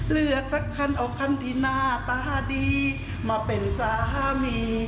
สักคันเอาคันที่หน้าตาดีมาเป็นสามี